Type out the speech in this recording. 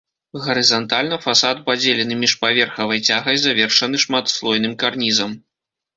Гарызантальна фасад падзелены міжпаверхавай цягай, завершаны шматслойным карнізам.